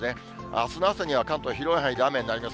あすの朝には関東、広い範囲で雨になります。